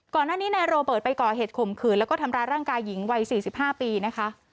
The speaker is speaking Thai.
ก่อนหน้านี้นายโรเบิร์ตไปก่อเหตุข่มขืนแล้วก็ทำร้ายร่างกายหญิงวัย๔๕ปีนะคะ